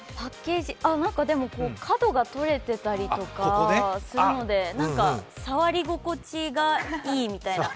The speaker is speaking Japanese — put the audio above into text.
あっ、なんかでも、角がとれてたりとかするので、触り心地がいいみたいな。